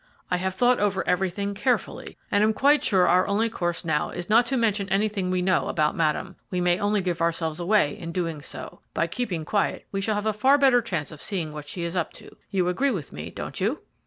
I have thought over everything carefully, and am quite sure our only course now is not to mention anything we know about Madame. We may only give ourselves away in doing so. By keeping quiet we shall have a far better chance of seeing what she is up to. You agree with me, don't you?"